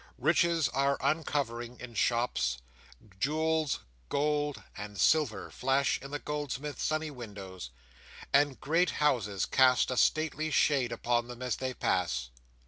Riches are uncovering in shops; jewels, gold, and silver flash in the goldsmith's sunny windows; and great houses cast a stately shade upon them as they pass.